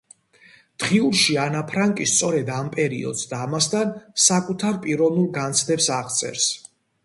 დღიურში ანა ფრანკი სწორედ ამ პერიოდს და ამასთან საკუთარ პიროვნულ განცდებს აღწერს.